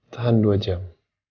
tahan dua jam